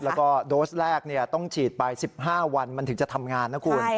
แล้วก็โดสแรกต้องฉีดไป๑๕วันมันถึงจะทำงานนะคุณ